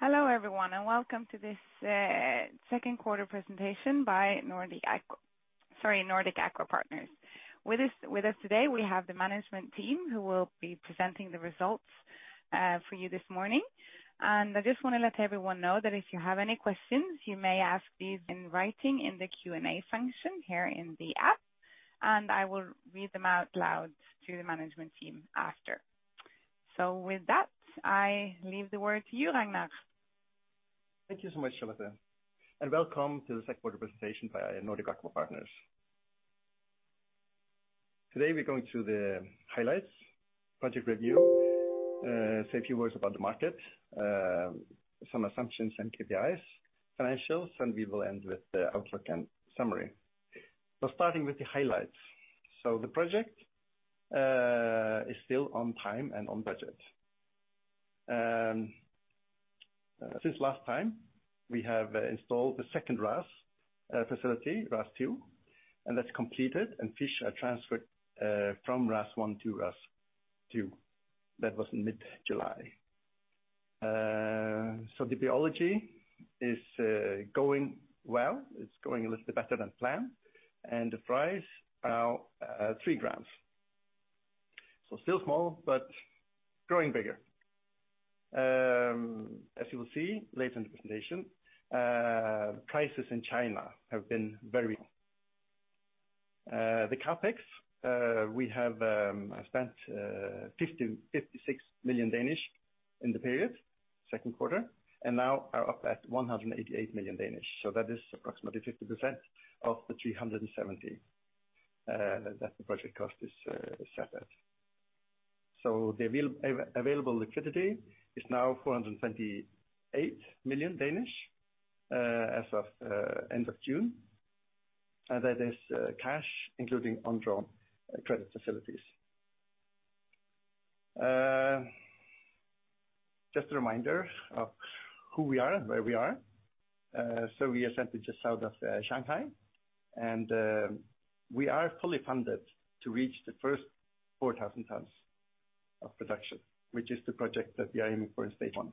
Hello everyone, and welcome to this Q2 presentation by Nordic Aqua Partners. With us today, we have the management team who will be presenting the results for you this morning. I just wanna let everyone know that if you have any questions, you may ask these in writing in the Q&A function here in the app, and I will read them out loud to the management team after. With that, I leave the word to you, Ragnar. Thank you so much, Charlotte. Welcome to the Q2 presentation by Nordic Aqua Partners. Today we're going through the highlights, project review, say a few words about the market, some assumptions and KPIs, financials, and we will end with the outlook and summary. Starting with the highlights. The project is still on time and on budget. Since last time, we have installed the second RAS facility, RAS 2, and that's completed, and fish are transferred from RAS 1 to RAS 2. That was in mid-July. The biology is going well. It's going a little better than planned. The fry are 3 grams. Still small, but growing bigger. As you will see later in the presentation, prices in China have been very. The CapEx, we have spent 56 million DKK in the period, Q2, and now are up at 188 million DKK. That is approximately 50% of the 370 that the project cost is set at. The available liquidity is now 428 million DKK as of end of June. That is cash, including undrawn credit facilities. Just a reminder of who we are and where we are. We are centered just south of Shanghai. We are fully funded to reach the first 4,000 tons of production, which is the project that we are aiming for in stage 1.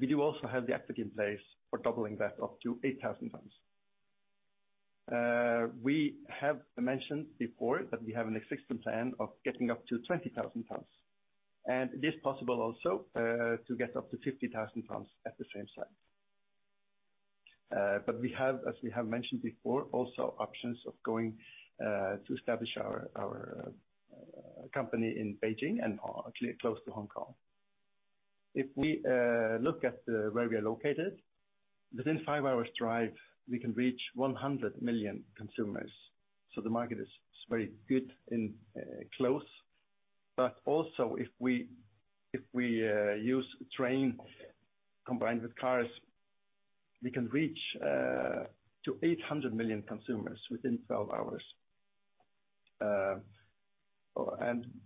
We do also have the equity in place for doubling that up to 8,000 tons. We have mentioned before that we have an existing plan of getting up to 20,000 tons. It is possible also to get up to 50,000 tons at the same site. We have, as we have mentioned before, also options of going to establish our company in Beijing and close to Hong Kong. If we look at where we're located, within 5 hours drive, we can reach 100 million consumers. The market is very good and close. Also, if we use train combined with cars, we can reach up to 800 million consumers within 12 hours.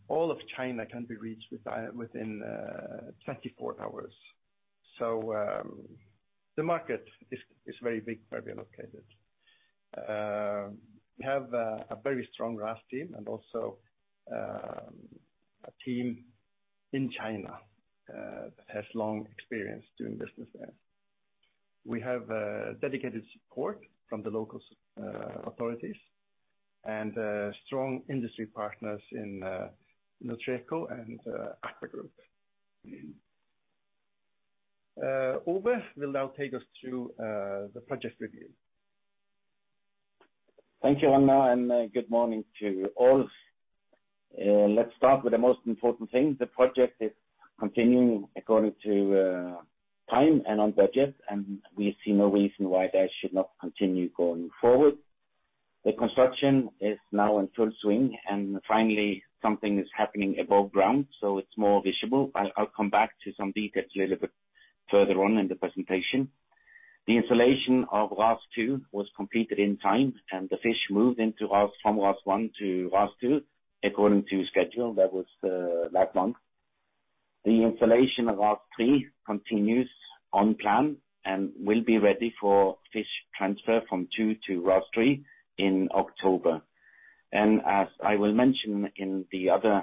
All of China can be reached within 24 hours. The market is very big where we're located. We have a very strong RAS team and also a team in China that has long experience doing business there. We have dedicated support from the local authorities and strong industry partners in Nutreco and AKVA Group. Ove will now take us through the project review. Thank you, Ragnar, and good morning to you all. Let's start with the most important thing. The project is continuing according to time and on budget, and we see no reason why that should not continue going forward. The construction is now in full swing, and finally, something is happening above ground, so it's more visible. I'll come back to some details a little bit further on in the presentation. The installation of RAS 2 was completed in time, and the fish moved into RAS from RAS 1 to RAS 2 according to schedule. That was last month. The installation of RAS 3 continues on plan and will be ready for fish transfer from 2 to RAS 3 in October. As I will mention in the other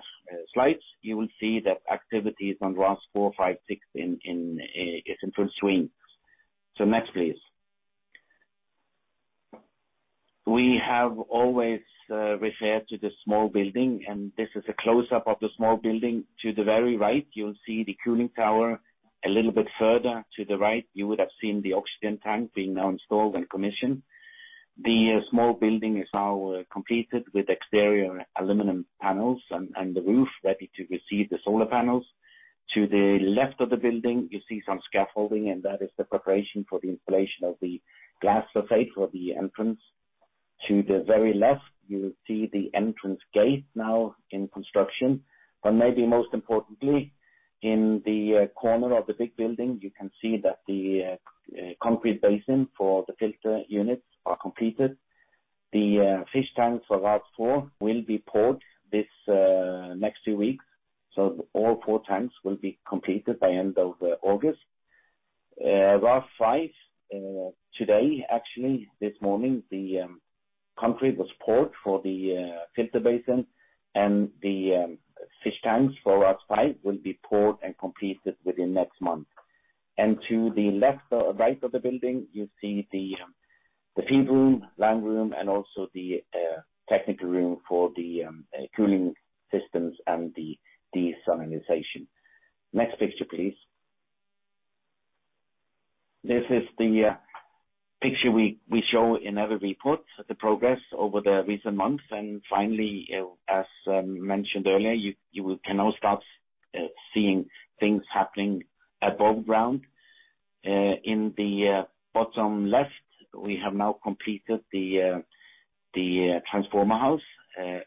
slides, you will see that activities on RAS 4, 5, 6 is in full swing. Next, please. We have always referred to the small building, and this is a close-up of the small building. To the very right, you'll see the cooling tower. A little bit further to the right, you would have seen the oxygen tank being now installed and commissioned. The small building is now completed with exterior aluminum panels and the roof ready to receive the solar panels. To the left of the building, you see some scaffolding, and that is the preparation for the installation of the glass façade for the entrance. To the very left, you'll see the entrance gate now in construction. Maybe most importantly, in the corner of the big building, you can see that the concrete basin for the filter units are completed. The fish tanks for RAS 4 will be poured this next 2 weeks. All 4 tanks will be completed by end of August. RAS 5, today, actually this morning, the concrete was poured for the filter basin and the fish tanks for RAS 5 will be poured and completed within next month. To the left or right of the building, you see the the feed room, land room, and also the technical room for the cooling systems and the desalinization. Next picture, please. This is the picture we show in every report, the progress over the recent months. Finally, as mentioned earlier, you can now start seeing things happening above ground. In the bottom left, we have now completed the transformer house.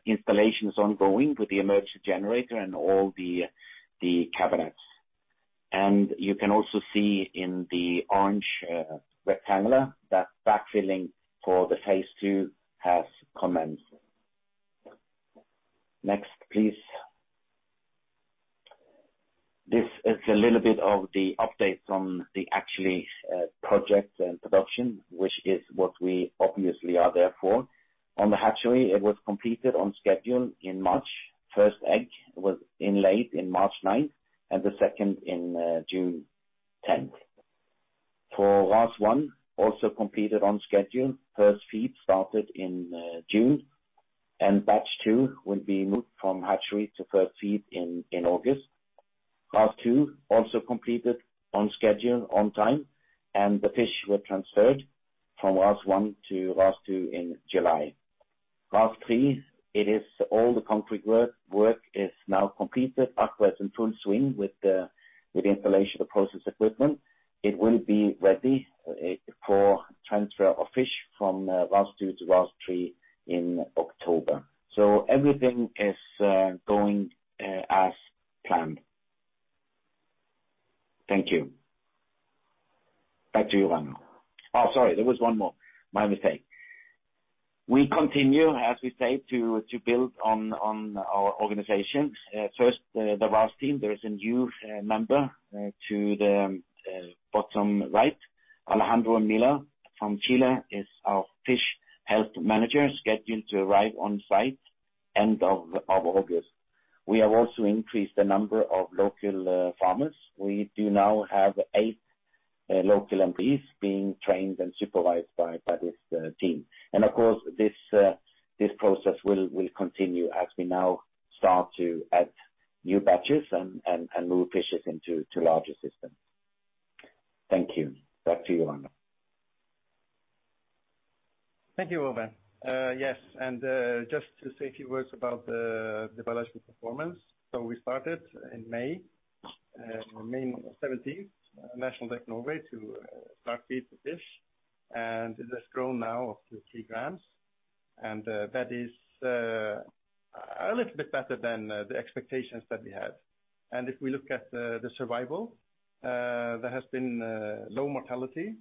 Installation is ongoing with the emergency generator and all the cabinets. You can also see in the orange rectangle that backfilling for phase II has commenced. Next, please. This is a little bit of the update on the actually project and production, which is what we obviously are there for. On the hatchery, it was completed on schedule in March. First egg was in late March 9, and the second in June 10. For RAS 1, also completed on schedule. First feed started in June, and batch 2 will be moved from hatchery to first feed in August. RAS 2, also completed on schedule on time, and the fish were transferred from RAS 1 to RAS 2 in July. RAS 3, it is all the concrete work is now completed. AKVA's in full swing with the installation of process equipment. It will be ready for transfer of fish from RAS 2 to RAS 3 in October. Everything is going as planned. Thank you. Back to you, Ragnar. Oh, sorry, there was 1 more. My mistake. We continue, as we say, to build on our organization. First, the RAS team. There is a new member to the bottom right. Alejandro Millar from Chile is our Fish Health Manager, scheduled to arrive on site end of August. We have also increased the number of local farmers. We do now have 8 local employees being trained and supervised by this. This process will continue as we now start to add new batches and move fishes into larger systems. Thank you. Back to you, Ragnar. Thank you, Ove. Just to say a few words about the biological performance. We started in May on May 17th, National Day of Norway, start feed the fish. It has grown now up to 3g. That is a little bit better than the expectations that we had. If we look at the survival, there has been low mortality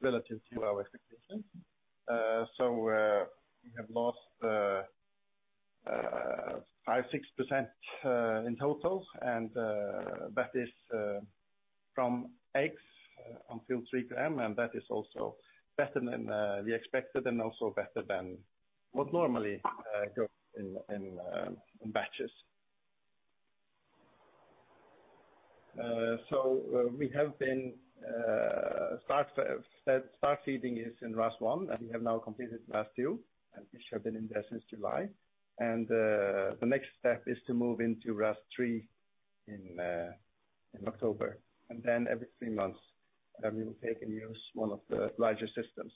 relative to our expectations. We have lost 5-6% in total. That is from eggs until 3g, and that is also better than we expected and also better than what normally goes in in batches. We have started feeding in RAS 1, and we have now completed RAS 2, and fish have been in there since July. The next step is to move into RAS 3 in October. Then every 3 months, we will take and use one of the larger systems.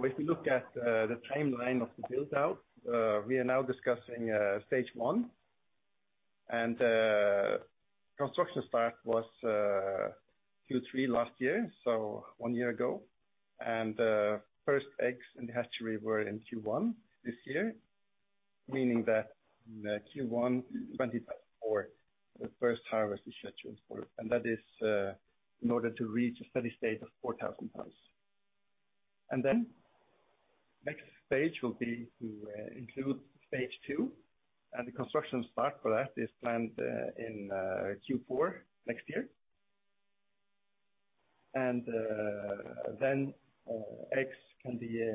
If you look at the timeline of the build-out, we are now discussing stage 1. Construction start was Q3 last year, so 1 year ago. First eggs in the hatchery were in Q1 this year, meaning that in Q1 2024, the first harvest is scheduled for. That is in order to reach a steady state of 4,000 tons. Next stage will be to include phase II, and the construction start for that is planned in Q4 next year. Then eggs can be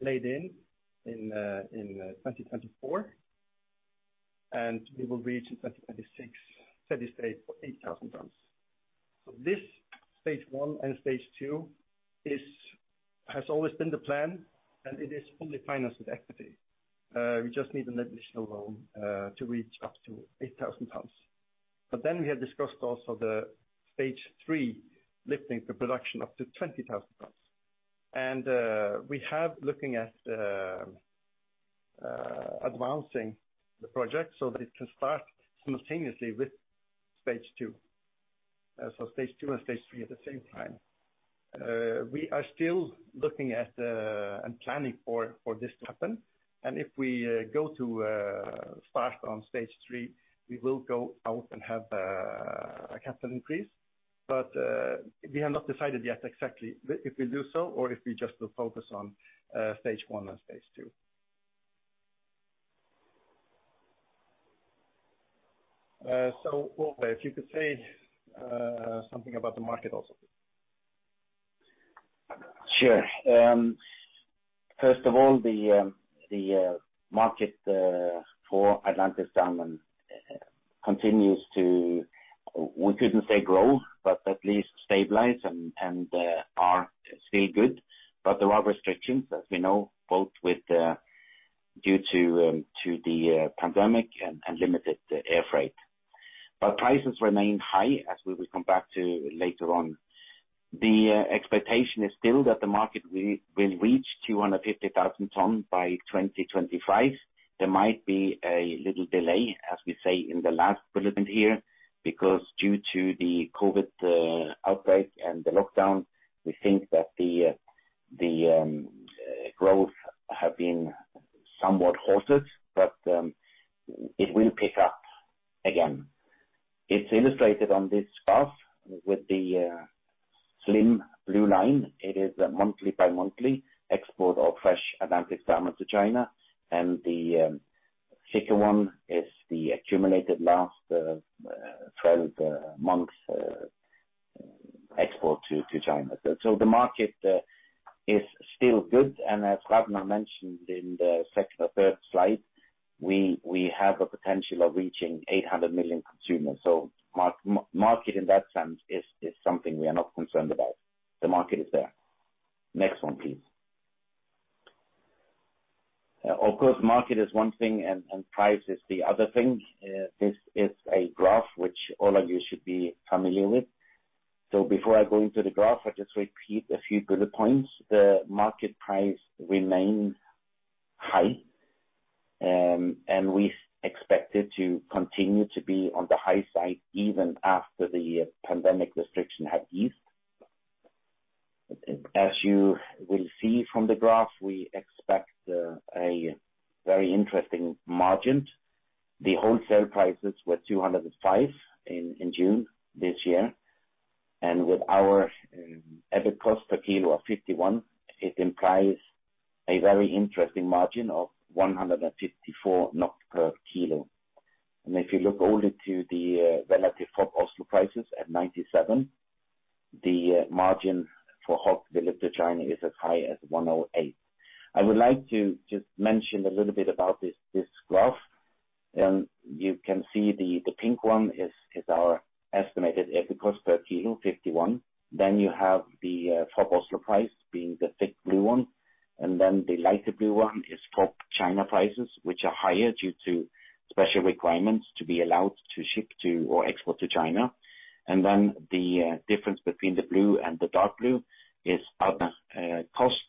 laid in 2024. We will reach in 2026 steady state for 8,000 tons. This stage 1 and stage 2 is has always been the plan, and it is fully financed with equity. We just need an additional loan to reach up to 8,000 tons. We have discussed also the stage 3, lifting the production up to 20,000 tons. We have looking at advancing the project so that it can start simultaneously with stage 2. Stage 2 and stage 3 at the same time. We are still looking at and planning for this to happen. If we go to start on stage 3, we will go out and have a capital increase. We have not decided yet exactly if we'll do so, or if we just will focus on stage 1 and stage 2. Ove, if you could say something about the market also. Sure. First of all, the market for Atlantic salmon continues to, we couldn't say grow, but at least stabilize and are still good. There are restrictions, as we know, both with due to the pandemic and limited air freight. Prices remain high as we will come back to later on. The expectation is still that the market will reach 250,000 ton by 2025. There might be a little delay, as we say in the last bullet point here, because due to the COVID outbreak and the lockdown, we think that the growth have been somewhat halted, but it will pick up again. It's illustrated on this graph with the slim blue line. It is month-by-month export of fresh Atlantic salmon to China, and the thicker one is the accumulated last 12 months export to China. The market is still good. As Ragnar mentioned in the second or third slide, we have a potential of reaching 800 million consumers. Market in that sense is something we are not concerned about. The market is there. Next one, please. Of course, market is 1 thing and price is the other thing. This is a graph which all of you should be familiar with. Before I go into the graph, I just repeat a few bullet points. The market price remains high, and we expect it to continue to be on the high side even after the pandemic restriction have eased. As you will see from the graph, we expect a very interesting margin. The wholesale prices were 205 NOK in June this year. With our average cost per kilo of 51 NOK, it implies a very interesting margin of 154 NOK per kilo. If you look only to the relative FOB Oslo prices at 97 NOK, the margin for HOG delivered to China is as high as 108 NOK. I would like to just mention a little bit about this graph. You can see the pink one is our estimated average cost per kilo, 51 NOK. Then you have the FOB Oslo price being the thick blue one, and then the lighter blue one is FOB China prices, which are higher due to special requirements to be allowed to ship to or export to China. The difference between the blue and the dark blue is other costs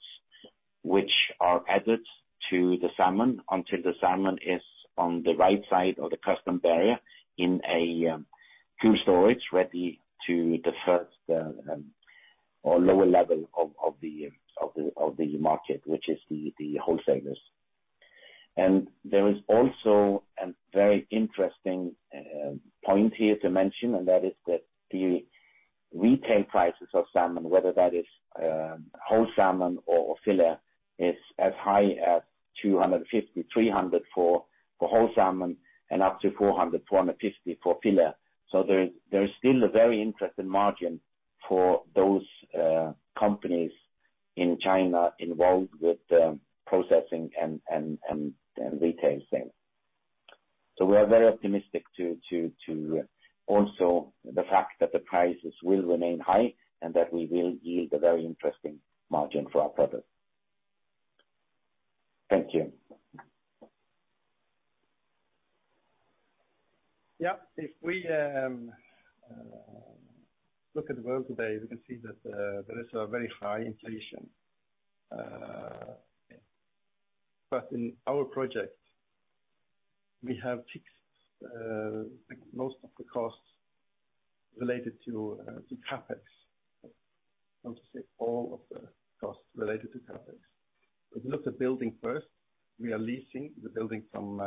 which are added to the salmon until the salmon is on the right side of the customs barrier in a cold storage, ready for the first or lower level of the market, which is the wholesalers. There is also a very interesting point here to mention, and that is that the retail prices of salmon, whether that is whole salmon or fillet, is as high as 250 to 300 for whole salmon and up to 400 to 450 for fillet. There is still a very interesting margin for those companies in China involved with processing and retail sale. We are very optimistic to also the fact that the prices will remain high and that we will yield a very interesting margin for our product. Thank you. Yeah. If we look at the world today, we can see that there is a very high inflation. In our project, we have fixed most of the costs related to CapEx. I want to say all of the costs related to CapEx. If you look at building first, we are leasing the building from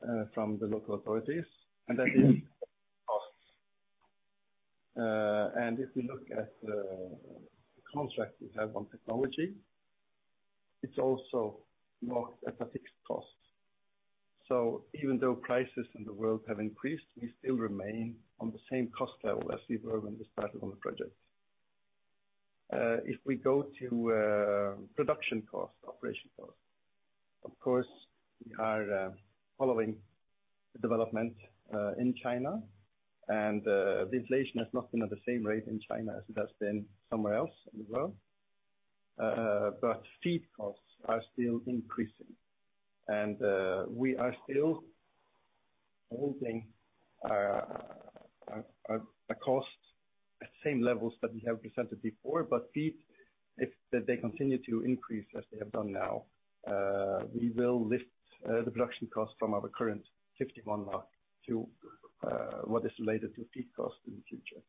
the local authorities, and that is costs. If you look at contract we have on technology, it's also locked at a fixed cost. Even though prices in the world have increased, we still remain on the same cost level as we were when we started on the project. If we go to production costs, operating costs, of course, we are following the development in China and the inflation has not been at the same rate in China as it has been somewhere else in the world. Feed costs are still increasing. We are still holding our costs at the same levels that we have presented before. If they continue to increase as they have done now, we will lift the production cost from our current 51 NOK to what is related to feed cost in the future.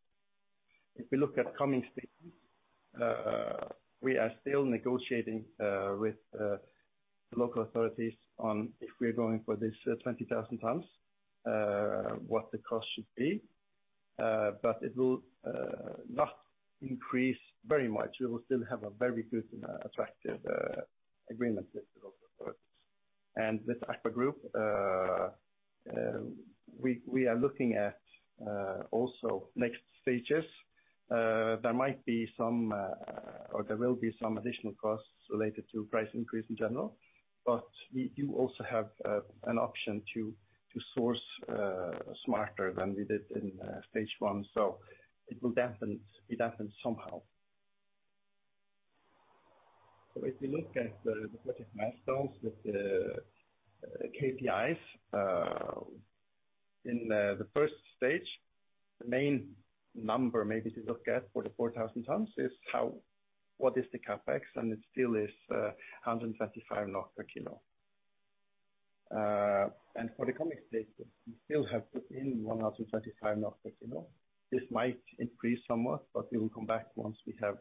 If we look at coming statements, we are still negotiating with local authorities on if we're going for this 20,000 tons, what the cost should be. It will not increase very much. We will still have a very good and attractive agreement with the local authorities. With AKVA Group, we are looking at also next stages. There will be some additional costs related to price increase in general. We do also have an option to source smarter than we did in stage 1. It will dampen, it dampens somehow. If you look at the project milestones with the KPIs in the first stage, the main number maybe to look at for the 4,000 tons is what is the CapEx, and it still is 125 NOK per kilo. For the coming stages, we still have put in 125 NOK per kilo. This might increase somewhat, but we will come back once we have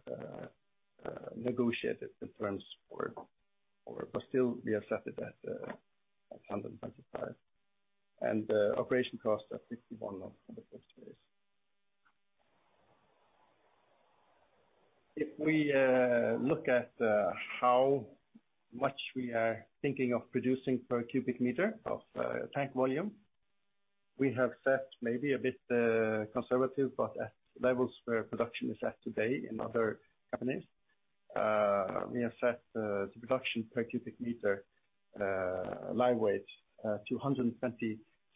negotiated the terms for it. Still we have set it at 125 NOK. Operating costs are 51 NOK for the phase I. If we look at how much we are thinking of producing per cubic meter of tank volume, we have set maybe a bit conservative, but at levels where production is at today in other companies, we have set the production per cubic meter live weight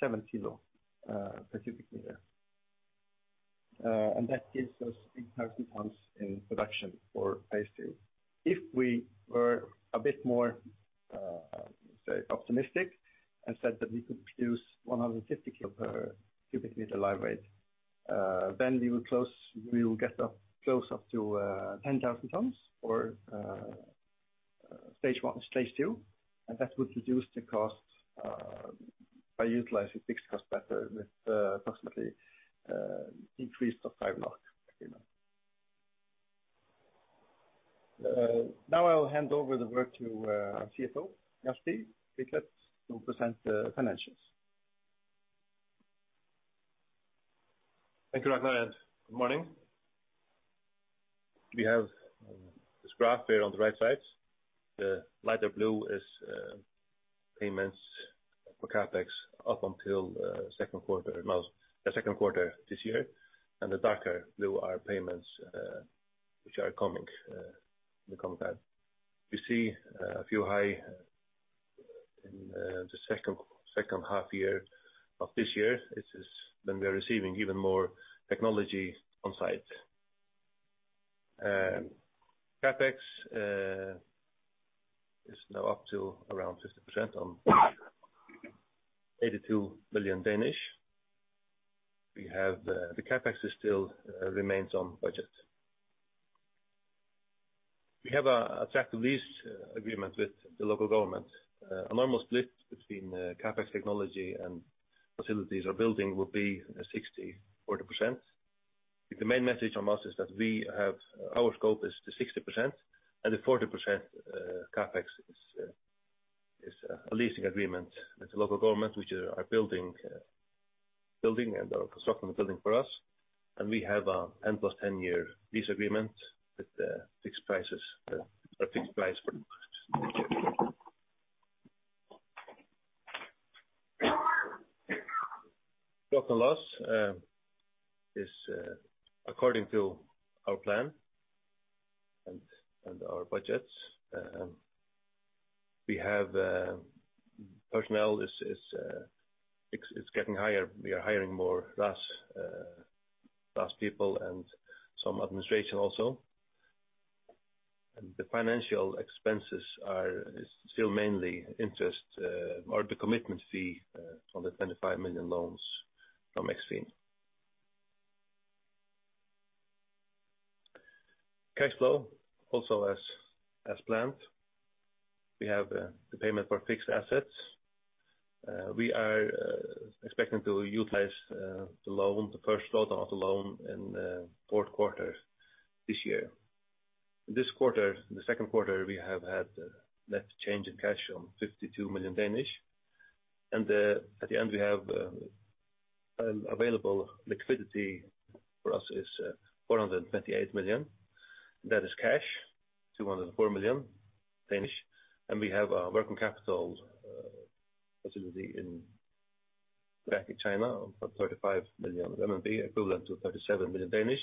227 kilo per cubic meter. That gives us 8,000 tons in production for phase II. If we were a bit more, let's say, optimistic, and said that we could produce 150 kilo per cubic meter live weight, then we will get up close up to 10,000 tons for stage 1 and stage 2, and that would reduce the cost by utilizing fixed cost better with approximately decrease of NOK 5 per kilo. Now I'll hand over the word to our CFO, Hjalti Hvítklett, to present the financials. Thank you, Ragnar, and good morning. We have this graph here on the right side. The lighter blue is payments for CapEx up until Q2 this year. The darker blue are payments which are coming in the coming time. You see a few high in the H2 year of this year. This is when we are receiving even more technology on site. CapEx is now up to around 50% on 82 million. We have. The CapEx still remains on budget. We have a attractive lease agreement with the local government. A normal split between CapEx technology and facilities or building will be 60/40%. The main message on us is that we have. Our scope is the 60% and the 40%, CapEx is a leasing agreement with the local government, which are building and are constructing the building for us. We have a 10 + 10-year lease agreement with fixed prices or fixed price for the lease. Profit and loss is according to our plan and our budgets. Personnel is getting higher. We are hiring more RAS people and some administration also. The financial expenses are still mainly interest or the commitment fee on the 25 million loans from Eksfin. Cash flow also as planned. We have the payment for fixed assets. We are expecting to utilize the loan, the first lot of the loan in Q4 this year. This quarter, the Q2, we have had net change in cash of 52 million. At the end, we have available liquidity for us is 428 million. That is cash, 204 million. We have a working capital facility in China of 35 million RMB, equivalent to 37 million,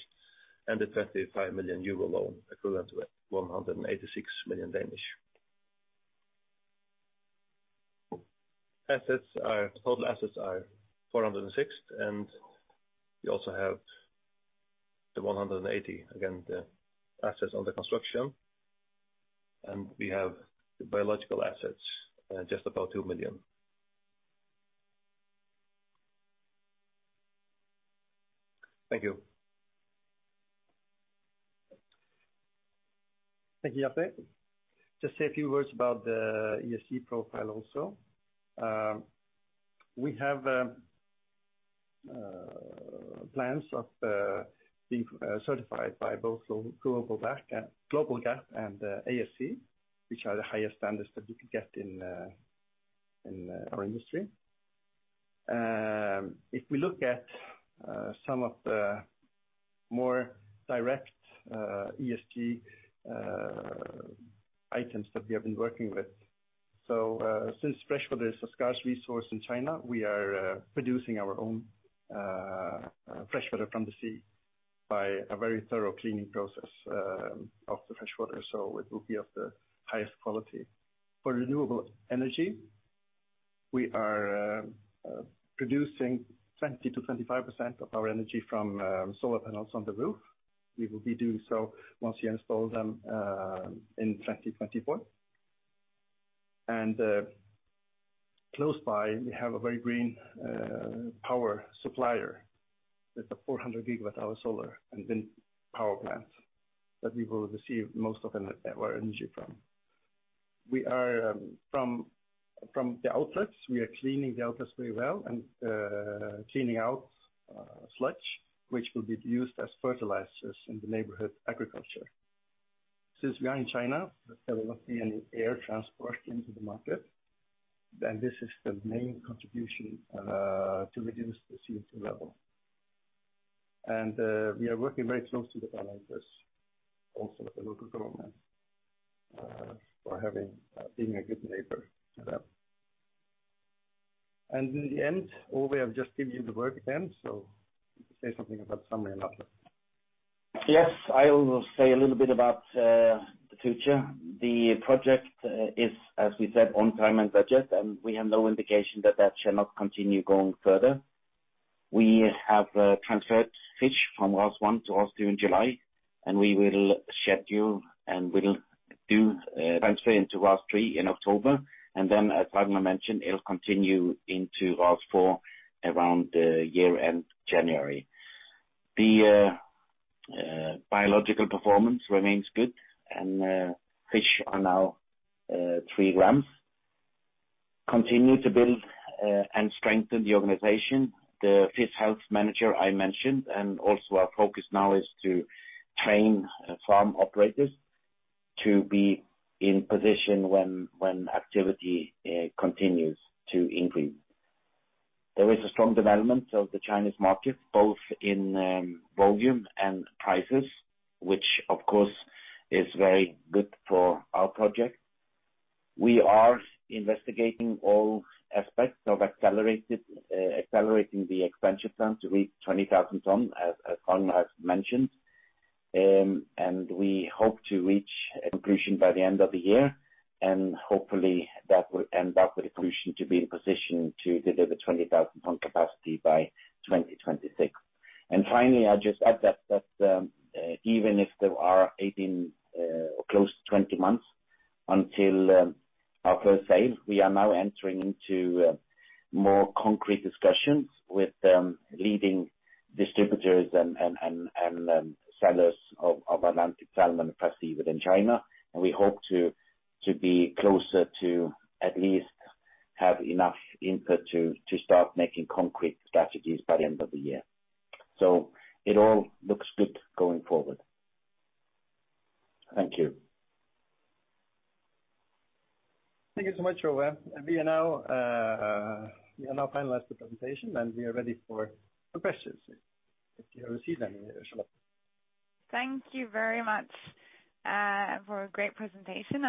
and a 25 million euro loan equivalent to 186 million. Total assets are 406 million, and we also have the 180 million, again, the assets under construction. We have the biological assets at just about 2 million. Thank you. Thank you, Hjalti. Just say a few words about the ESG profile also. We have plans of being certified by both GLOBALG.A.P. and ASC, which are the highest standards that you can get in our industry. If we look at some of the more direct ESG items that we have been working with. Since freshwater is a scarce resource in China, we are producing our own freshwater from the sea by a very thorough cleaning process of the freshwater, so it will be of the highest quality. For renewable energy, we are producing 20% to 25% of our energy from solar panels on the roof. We will be doing so once we install them in 2024. Close by, we have a very green power supplier with a 400 gigawatt hour solar and wind power plant that we will receive most of our energy from. From the outlets, we are cleaning the outlets very well and cleaning out sludge, which will be used as fertilizers in the neighborhood agriculture. Since we are in China, there will not be any air transport into the market, then this is the main contribution to reduce the CO2 level. We are working very closely with our neighbors, also the local government, for being a good neighbor to them. In the end, Ove, I've just given you the work again, so say something about summary and outlook. Yes, I will say a little bit about the future. The project is, as we said, on time and budget, and we have no indication that shall not continue going further. We have transferred fish from RAS 1 to RAS 2 in July, and we will schedule and we'll do transfer into RAS 3 in October. As Ragnar mentioned, it'll continue into RAS 4 around year-end January. The biological performance remains good and fish are now 3 grams. Continue to build and strengthen the organization. The fish health manager, I mentioned, and also our focus now is to train farm operators to be in position when activity continues to increase. There is a strong development of the Chinese market, both in volume and prices, which of course is very good for our project. We are investigating all aspects of accelerating the expansion plan to reach 20,000 tons, as Ragnar has mentioned. We hope to reach a conclusion by the end of the year, and hopefully that will end up with a solution to be in position to deliver 20,000-ton capacity by 2026. Finally, I'll just add that even if there are 18 or close to 20 months until our first sale, we are now entering into more concrete discussions with leading distributors and sellers of Atlantic salmon and possibly within China. We hope to be closer to at least have enough input to start making concrete strategies by the end of the year. It all looks good going forward. Thank you. Thank you so much, Ove. We are now finalized the presentation, and we are ready for the questions if you receive any, Charlotte. Thank you very much for a great presentation.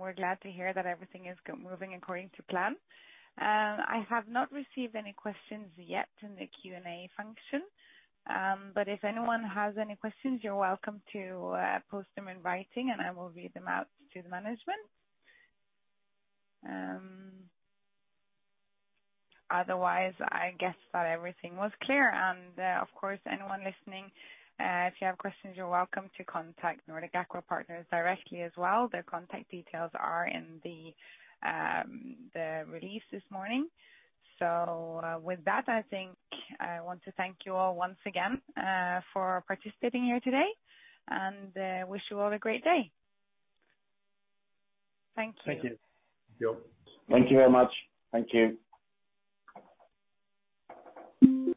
We're glad to hear that everything is moving according to plan. I have not received any questions yet in the Q&A function. If anyone has any questions, you're welcome to post them in writing, and I will read them out to the management. Otherwise, I guess that everything was clear. Of course, anyone listening, if you have questions, you're welcome to contact Nordic Aqua Partners directly as well. Their contact details are in the release this morning. With that, I think I want to thank you all once again for participating here today and wish you all a great day. Thank you. Thank you. Thank you. Thank you very much. Thank you.